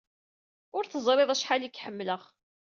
Ur teẓriḍ acḥal ay k-ḥemmleɣ.